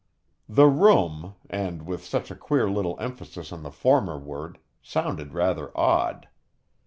"The room," and with such a queer little emphasis on the former word, sounded rather odd.